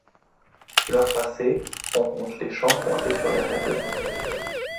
L’heure passée, on compte les chants pointés sur les règles.